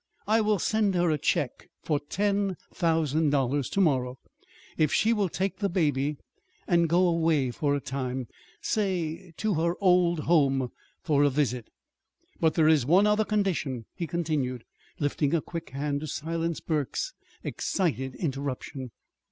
I will send her a check for ten thousand dollars to morrow if she will take the baby and go away for a time say, to her old home for a visit. But there is one other condition," he continued, lifting a quick hand to silence Burke's excited interruption.